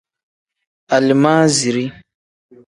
Alimaaziri.